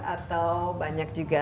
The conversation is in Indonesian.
atau banyak juga